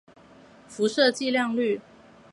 辐射剂量率。